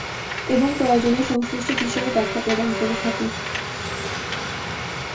এবং প্রয়োজনে সংশ্লিষ্ট বিষয়ে ব্যাখ্যা প্রদান করে থাকেন।